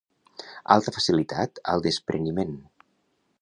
Alta facilitat al despreniment.